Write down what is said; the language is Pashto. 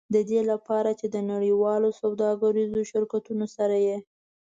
د دې لپاره چې د نړیوالو سوداګریزو شرکتونو سره یې.